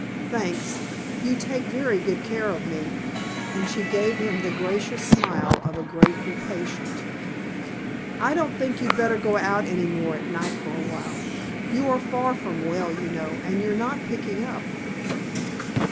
"Thanks. You take very good care of me." And she gave him the gracious smile of a grateful patient. "I don't think you'd better go out any more at night for a while. You are far from well, you know, and you're not picking up."